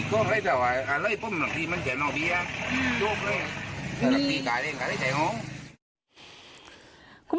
ก็เข้ายังไงเนี่ยครับ